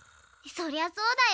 そりゃそうだよ。